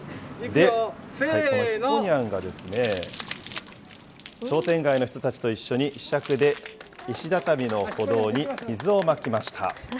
で、このひこにゃんが、商店街の人たちと一緒に、ひしゃくで石畳の歩道に水をまきました。